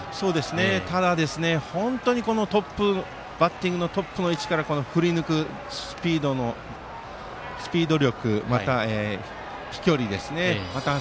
ただ本当にバッティングのトップの位置から振りぬくスピード力また、飛距離ですね。